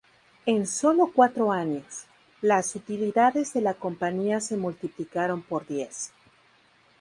En sólo cuatro años, las utilidades de la compañía se multiplicaron por diez.